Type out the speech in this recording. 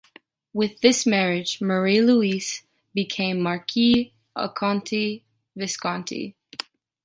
With this marriage, Marie-Louise became the Marquise Arconati-Visconti.